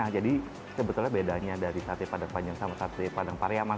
nah jadi sebetulnya bedanya dari sate padang panjang sama sate padang pariaman